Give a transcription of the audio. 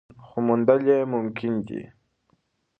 خو موندل یې ممکن دي.